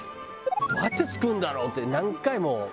どうやって作るんだろうって何回も。